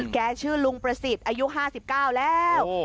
แกชื่อลุงประสิทธิ์อายุห้าสิบเก้าแล้ว